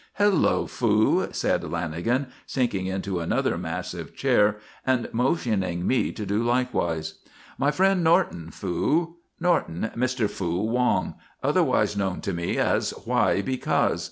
"Hello, Fu," said Lanagan, sinking into another massive chair and motioning me to do likewise. "My friend Norton, Fu. Norton, Mr. Fu Wong, otherwise known to me as Why Because.